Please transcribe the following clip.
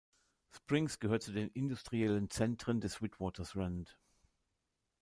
Springs gehört zu den industriellen Zentren des Witwatersrand.